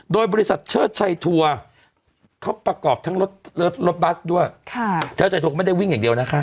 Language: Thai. โดยบริษัทเชิดชัยทัวร์เขาประกอบทั้งรถรถบัสด้วยเจ้าชายทัวก็ไม่ได้วิ่งอย่างเดียวนะคะ